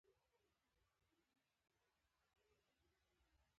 خام موادو صادرات د تجارتي بیلانس د نامساواتوب لامل دی.